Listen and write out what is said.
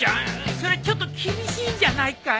そりゃちょっと厳しいんじゃないかい？